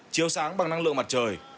chiêu sáng bằng năng lượng mặt trời